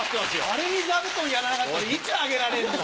あれに座布団やらなかったらいつあげられんの。